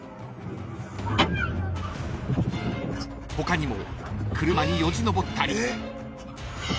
［他にも車によじ登ったり］